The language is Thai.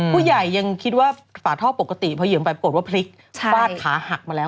ผู้ใหญ่ยังคิดว่าฝาท่อปกติพอเหยื่อมไปปรากฏว่าพลิกฟาดขาหักมาแล้ว